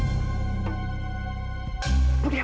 ini budek aku